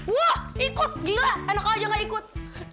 wah ikut gila enak aja gak ikut